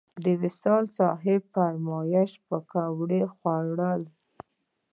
د وصال صیب په فرمایش پکوړې وخوړل.